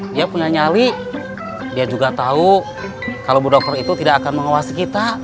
dia punya nyali dia juga tahu kalau bu dokter itu tidak akan mengawasi kita